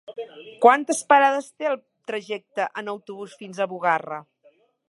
Quantes parades té el trajecte en autobús fins a Bugarra?